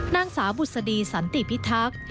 นางสาวบุษดีสันติพิทักษ์